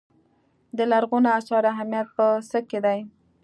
د لرغونو اثارو اهمیت په څه کې دی.